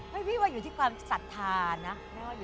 พี่ว่าอยู่ที่ความศรัทธานะ